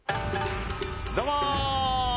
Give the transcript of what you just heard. どうも！